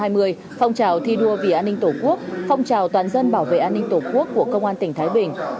giải đoạn hai nghìn một mươi năm hai nghìn hai mươi phong trào thi đua về an ninh tổ quốc phong trào toàn dân bảo vệ an ninh tổ quốc của công an tỉnh thái bình